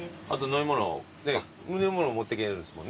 飲み物持ってけるんですもんね。